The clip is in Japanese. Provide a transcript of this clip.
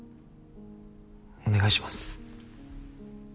お願いします。